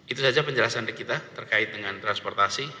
itu saja penjelasan dari kita terkait dengan transportasi